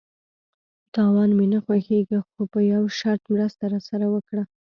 _تاوان مې نه خوښيږي، خو په يوه شرط، مرسته راسره وکړه!